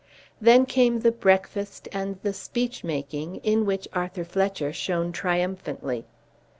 Then came the breakfast, and the speech making, in which Arthur Fletcher shone triumphantly.